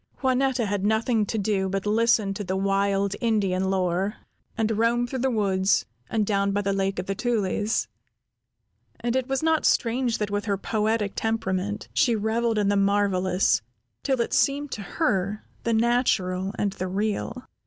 Juanetta had nothing to do but listen to the wild Indian lore, and roam through the woods and down by the Lake of the Tulies; and it was not strange that with her poetic temperament, she reveled in the marvelous, till it seemed to her the natural and the real.